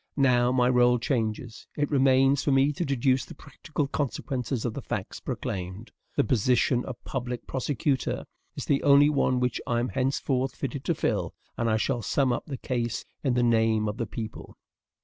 Now my role changes. It remains for me to deduce the practical consequences of the facts proclaimed. The position of PUBLIC PROSECUTOR is the only one which I am henceforth fitted to fill, and I shall sum up the case in the name of the PEOPLE.